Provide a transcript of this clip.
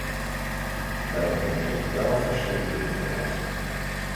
Wij hebben totaal verschillende informatie.